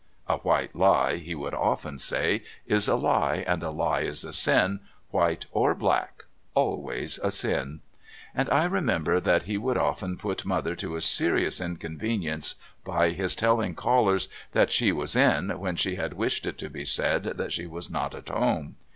'A white lie,' he would often say, 'is a lie, and a lie is a sin white or black, always a sin'; and I remember that he would often put mother to a serious inconvenience by his telling callers that she was in when she had wished it to be said that she was not at home.